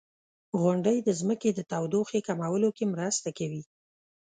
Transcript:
• غونډۍ د ځمکې د تودوخې کمولو کې مرسته کوي.